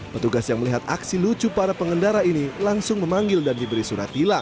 petugas yang melihat aksi lucu para pengendara ini langsung memanggil dan diberi surat tilang